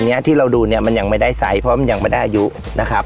เนี้ยที่เราดูเนี่ยมันยังไม่ได้ไซส์เพราะมันยังไม่ได้อายุนะครับ